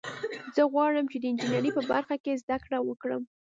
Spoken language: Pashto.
زه غواړم چې د انجینرۍ په برخه کې زده کړه وکړم